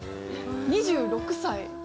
２６歳。